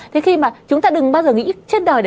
thế khi mà chúng ta đừng bao giờ nghĩ trên đời đấy